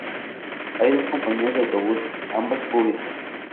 Hay dos compañías de autobuses, ambas públicas.